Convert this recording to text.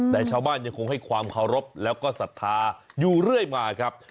แต่ชาวบ้านยังคงให้ความเคารพแล้วก็ศรัทธาอยู่เรื่อยมาครับ